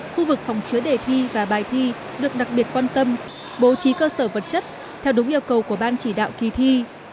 khu vực phòng chứa đề thi và bài thi được đặc biệt quan tâm bố trí cơ sở vật chất theo đúng yêu cầu của ban chỉ đạo kỳ thi